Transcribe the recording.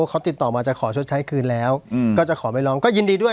เขาติดต่อมาจะขอชดใช้คืนแล้วก็จะขอไม่ร้องก็ยินดีด้วย